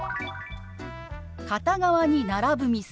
「片側に並ぶ店」。